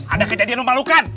ada kejadian memalukan